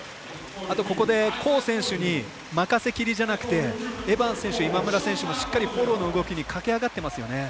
あと、ここでコー選手に任せきりじゃなくてエバンス選手、今村選手もしっかりフォローの動きに駆け上がってますよね。